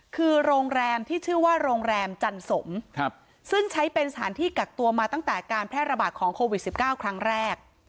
คือโรงแรมที่ชื่อว่าโรงแรมจันสมซึ่งใช้เป็นสถานที่กักตัวมาตั้งแต่การแพร่ระบาดของโควิด๑๙ครั้งแรก